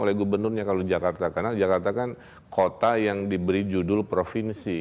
oleh gubernurnya kalau jakarta karena jakarta kan kota yang diberi judul provinsi